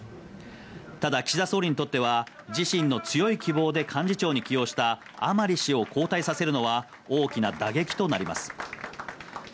ただ岸田総理にとっては自身の強い希望で幹事長に起用した甘利氏を交代させるのは大きな打撃となります。